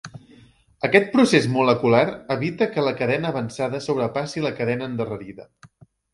Aquest procés molecular evita que la cadena avançada sobrepassi la cadena endarrerida.